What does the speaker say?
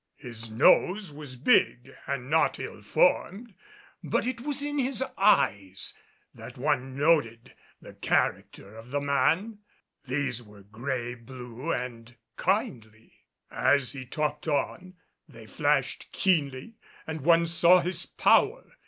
His nose was big and not ill formed, but it was in his eyes that one noted the character of the man. These were gray blue and kindly. As he talked on, they flashed keenly and one saw his power.